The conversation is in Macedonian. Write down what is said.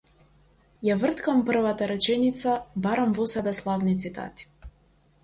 Ја врткам првата реченица, барам во себе славни цитати.